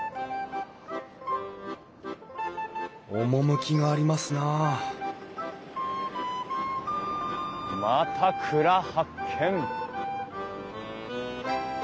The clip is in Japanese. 趣がありますなあまた蔵発見！